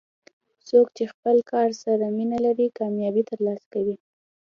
څوک چې خپل کار سره مینه لري، کامیابي ترلاسه کوي.